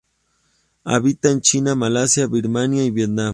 Habita en China, Malasia, Birmania y Vietnam.